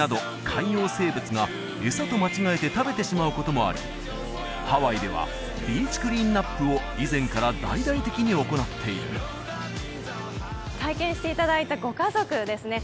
海洋生物が餌と間違えて食べてしまうこともありハワイではビーチクリーンナップを以前から大々的に行っている体験していただいたご家族ですね